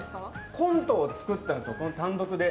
コントを作ったんです、単独で。